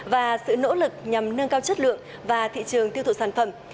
và sự nỗ lực nhằm nâng cao chất lượng và thị trường tiêu thụ sản phẩm